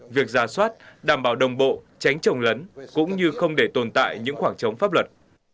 việc ra soát đảm bảo đồng bộ tránh trồng lấn cũng như không để tồn tại những khoảng trống pháp luật